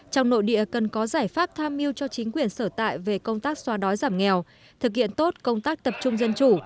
trong nội địa cần có giải pháp tham mưu cho chính quyền sở tại về công tác xóa đói giảm nghèo thực hiện tốt công tác tập trung dân chủ